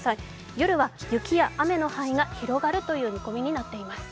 夜は雪や雨の範囲が広がるという見込みになっています。